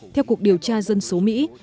theo cuộc điều tra dân số mỹ